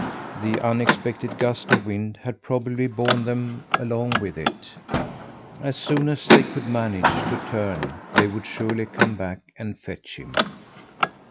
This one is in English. The unexpected gust of wind had probably borne them along with it. As soon as they could manage to turn, they would surely come back and fetch him.